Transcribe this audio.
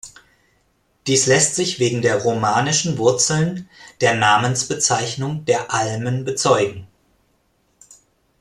Dies lässt sich wegen der romanischen Wurzeln der Namensbezeichnung der Almen bezeugen.